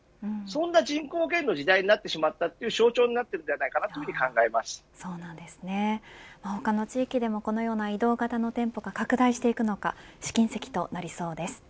そんな人口減の時代の象徴になっているのではないかと他の地域でもこのような移動型の店舗が拡大していくのか試金石となりそうです。